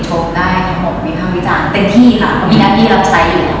ใช่มีความวิจารณ์เต็มที่ค่ะเพราะมีหน้าที่รับใช้อยู่